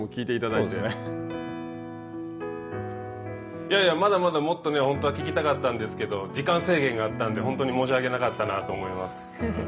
いやいや、まだまだもっと本当は聞きたかったんですけど時間制限があったんで、本当に申し訳なかったなと思います。